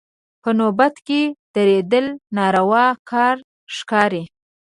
په نوبت کې درېدل ناروا کار ښکاري.